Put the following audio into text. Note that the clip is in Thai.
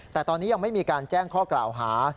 แต่ตอนนี้ยังไม่มีการแจ้งข้อกล่าวหา